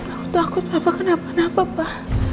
aku takut papa kenapa napa pa